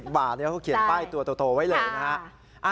บาทเขาเขียนป้ายตัวโตไว้เลยนะฮะ